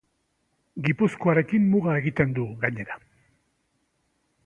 Gipuzkoarekin muga egiten du, gainera.